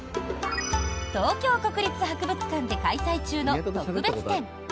東京国立博物館で開催中の特別展